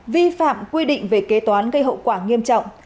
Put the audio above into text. vi phạm quy định về kế toán gây hậu quả nghiêm trọng